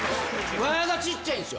輪がちっちゃいんですよ、